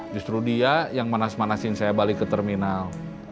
justru dia yang manas manasin saya balik ke terminal